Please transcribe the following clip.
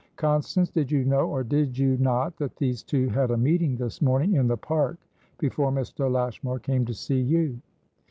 "Constance, did you know or did you not, that these two had a meeting this morning in the park before Mr. Lashmar came to see you?"